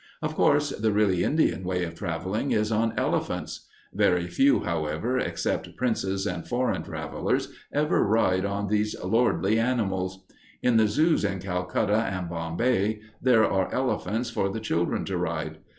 Of course, the really Indian way of traveling is on elephants. Very few, however, except princes and foreign travelers, ever ride on these lordly animals. In the "zoos" in Calcutta and Bombay there are elephants for the children to ride.